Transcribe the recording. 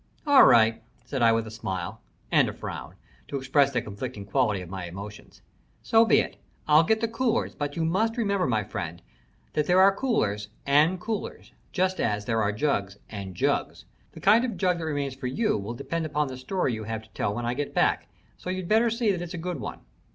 "All right," said I with a smile and a frown to express the conflicting quality of my emotions. "So be it. I'll get the coolers, but you must remember, my friend, that there are coolers and coolers, just as there are jugs and jugs. The kind of jug that remains for you will depend upon the story you have to tell when I get back, so you'd better see that it's a good one."